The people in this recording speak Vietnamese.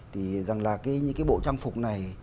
thì rằng là những cái bộ trang phục này